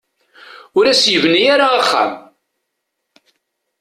Ur as-yebni ara axxam.